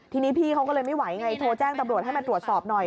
ทีนี้พี่เขาก็เลยไม่ไหวไงโทรแจ้งตำรวจให้มาตรวจสอบหน่อย